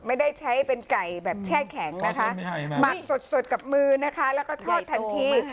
ไม่ได้ใช้เป็นไก่แบบแช่แข็งนะคะหมักสดกับมือนะคะแล้วก็ทอดทันที